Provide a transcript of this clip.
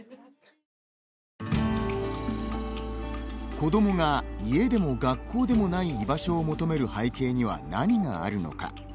子どもが家でも学校でもない居場所を求める背景には何があるのか。